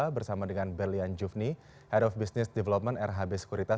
bersama dengan berlian jufni head of business development rhb sekuritas